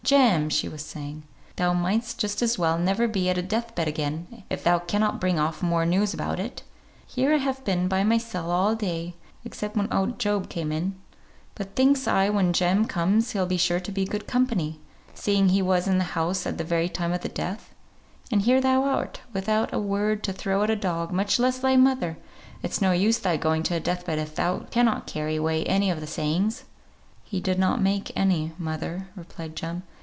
"Jem!" she was saying, "thou might'st just as well never be at a death bed again, if thou cannot bring off more news about it; here have I been by mysel all day (except when oud Job came in), but thinks I, when Jem comes he'll be sure to be good company, seeing he was in the house at the very time of the death; and here thou art, without a word to throw at a dog, much less thy mother: it's no use thy going to a death bed if thou cannot carry away any of the sayings!" "He did not make any, mother," replied Jem.